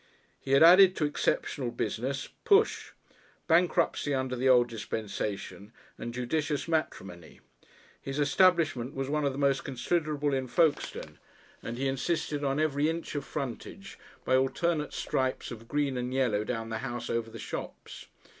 He had added to exceptional business "push," bankruptcy under the old dispensation, and judicious matrimony. His establishment was now one of the most considerable in Folkestone, and he insisted on every inch of frontage by alternate stripes of green and yellow down the houses over the shops.